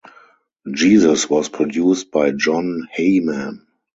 "Jesus" was produced by John Heyman.